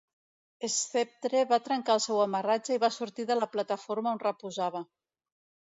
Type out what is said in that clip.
"Sceptre" va trencar el seu amarratge i va sortir de la plataforma on reposava.